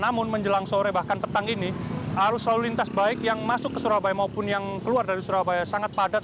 namun menjelang sore bahkan petang ini arus lalu lintas baik yang masuk ke surabaya maupun yang keluar dari surabaya sangat padat